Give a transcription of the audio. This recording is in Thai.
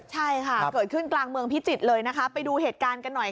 ใช่ค่ะเกิดขึ้นกลางเมืองพิจิตรเลยนะคะไปดูเหตุการณ์กันหน่อยค่ะ